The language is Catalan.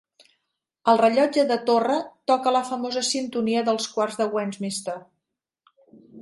El rellotge de torre toca la famosa sintonia dels quarts de Westminster.